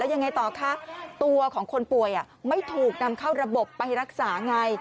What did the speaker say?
ยังไงต่อคะตัวของคนป่วยไม่ถูกนำเข้าระบบไปรักษาไง